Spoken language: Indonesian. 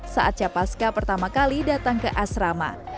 saat capaska pertama kali datang ke asrama